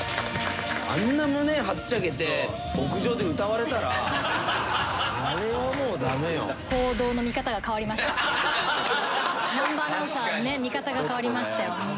あんな胸はっちゃけてあれはもうダメよ南波アナウンサーのね見方が変わりましたよ